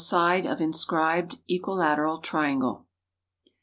86 = Side of inscribed equilateral triangle.